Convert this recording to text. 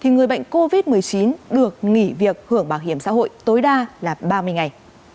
người bệnh covid một mươi chín được nghỉ việc hưởng bảo hiểm xã hội tối đa là ba mươi ngày